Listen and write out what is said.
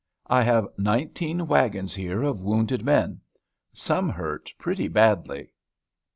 I have nineteen wagons here of wounded men, some hurt pretty badly.